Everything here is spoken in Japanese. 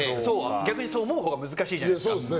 逆にそう思うほうが難しいじゃないですか。